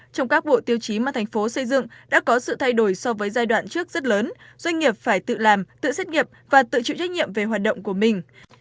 trong các bộ tiêu chí mà thành phố xây dựng đã có sự thay đổi so với giai đoạn trước rất lớn doanh nghiệp phải tự làm tự xét nghiệm và tự chịu trách nhiệm về hoạt động của mình